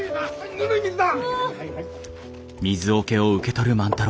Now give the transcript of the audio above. ぬるい水だ！